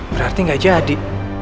berarti gak jadi